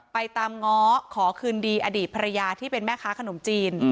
ตามง้อขอคืนดีอดีตภรรยาที่เป็นแม่ค้าขนมจีน